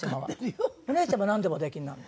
お姉ちゃまはなんでもお出来になるの。